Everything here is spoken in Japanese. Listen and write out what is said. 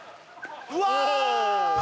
うわ！